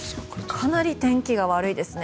かなり天気が悪いですね。